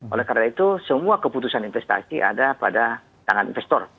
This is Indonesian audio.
oleh karena itu semua keputusan investasi ada pada tangan investor